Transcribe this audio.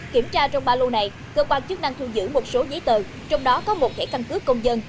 kiểm tra trong ba lô này cơ quan chức năng thu giữ một số giấy tờ trong đó có một thẻ căn cước công dân